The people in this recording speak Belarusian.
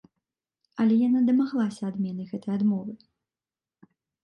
Але яна дамаглася адмены гэтай адмовы.